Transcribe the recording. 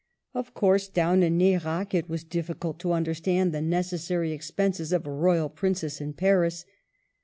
Of course down in Nerac it was difficult to understand the necessary expenses of a royal princess in Paris.